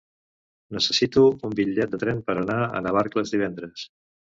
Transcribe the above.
Necessito un bitllet de tren per anar a Navarcles divendres.